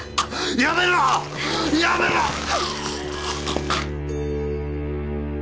やめろッ